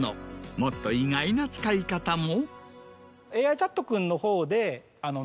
もっと意外な使い方も。